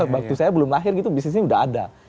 waktu saya belum lahir gitu bisnis ini udah ada